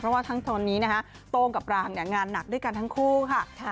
เพราะว่าทั้งตอนนี้นะฮะโต้งกับรางงานหนักด้วยกันทั้งคู่ค่ะ